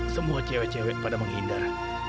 semua cewek cewek pada menghindar